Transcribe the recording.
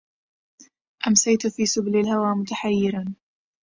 أمسيت في سبل الهوى متحيرا